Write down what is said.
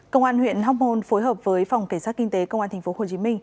công an huyện hóc môn phối hợp với phòng cảnh sát kinh tế công an tp hcm